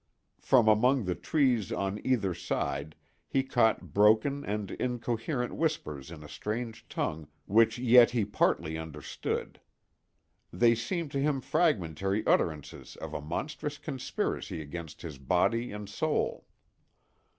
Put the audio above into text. From among the trees on either side he caught broken and incoherent whispers in a strange tongue which yet he partly understood. They seemed to him fragmentary utterances of a monstrous conspiracy against his body and soul.